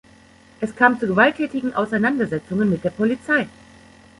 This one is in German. Es kam zu gewalttätigen Auseinandersetzungen mit der Polizei.